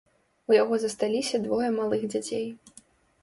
У яго засталіся двое малых дзяцей.